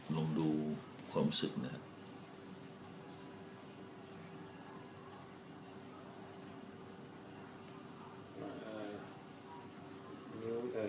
ลองดูความสุขนะครับ